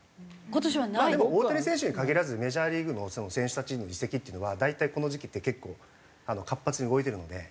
でも大谷選手に限らずメジャーリーグの選手たちの移籍っていうのは大体この時期って結構活発に動いているので。